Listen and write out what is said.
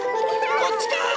こっちか！